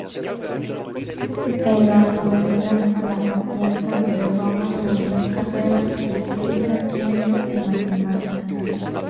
En la universidad "La Sapienza" de Roma fundó cátedras de física, química y matemáticas.